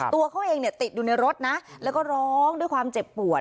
ตัวเขาเองเนี่ยติดอยู่ในรถนะแล้วก็ร้องด้วยความเจ็บปวด